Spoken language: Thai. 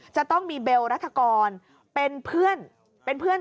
จะต้องมีเบลรัฐกรเป็นเพื่อน